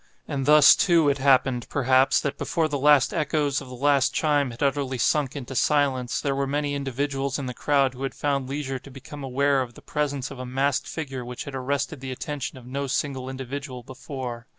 And thus, too, it happened, perhaps, that before the last echoes of the last chime had utterly sunk into silence, there were many individuals in the crowd who had found leisure to become aware of the presence of a masked figure which had arrested the attention of no single individual before.